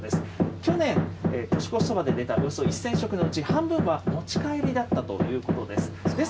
去年、年越しそばで出たおよそ１０００食のうち半分は持ち帰りだったということです。